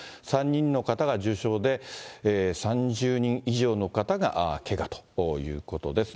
３人の方が重傷で、３０人以上の方がけがということです。